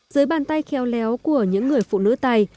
dưới bàn tay khéo léo của những người phụ nữ tài